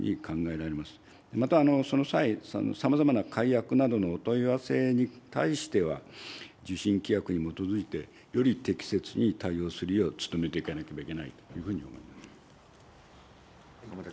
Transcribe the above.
また、その際、さまざまな解約などのお問い合わせに対しては、受信規約に基づいて、より適切に対応するよう、努めていかなければいけないというふうに思います。